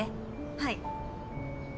はい。